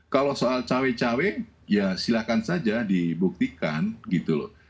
kalau soal cawe cawe ya silahkan saja dibuktikan gitu loh